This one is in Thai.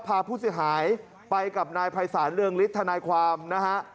พาผู้เสียหายไปกับนายภัยศาลเรืองฤทธนายความนะฮะ